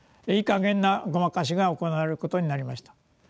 いいかげんな「ごまかし」が行われることになりました。